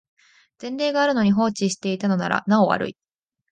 前例があるのに放置していたのならなお悪い